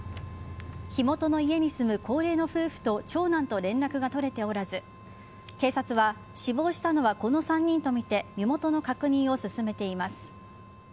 火元の家に住む高齢の夫婦と長男と連絡が取れておらず警察は死亡したのはこの３人とみて身元の確認を進めています。